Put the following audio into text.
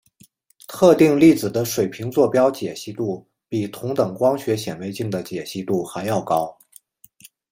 特定粒子的水平座标解析度比同等光学显微镜的解析度还要高。